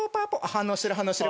反応してる反応してる。